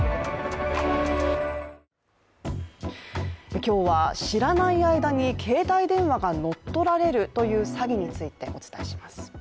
今日は知らない間に携帯電話が乗っ取られるという詐欺についてお伝えします。